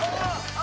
あ！